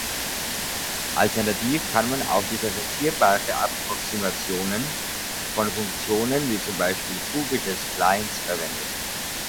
Alternativ kann man auch differenzierbare Approximationen von Funktionen wie zum Beispiel kubische Splines verwenden.